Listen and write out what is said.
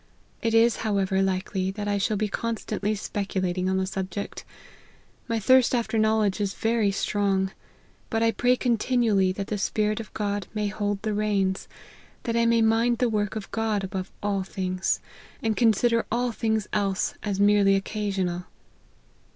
It is, however, likely that I shall be constantly speculating on the subject. My thirst after knowledge is very strong ; but I pray continually that the Spirit of God may hold the reins ; that I may mind the work of God above all things ; and consider all things else as merely occasional."